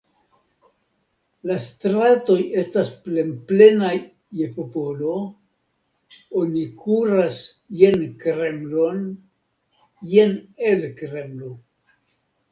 La stratoj estas plenplenaj je popolo, oni kuras jen Kremlon, jen el Kremlo.